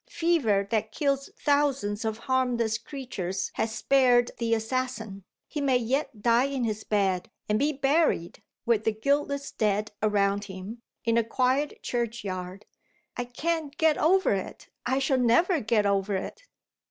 Fever that kills thousands of harmless creatures has spared the assassin. He may yet die in his bed, and be buried, with the guiltless dead around him, in a quiet churchyard. I can't get over it; I shall never get over it.